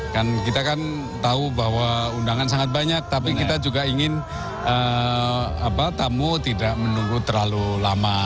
kan kita kan tahu bahwa undangan sangat banyak tapi kita juga ingin tamu tidak menunggu terlalu lama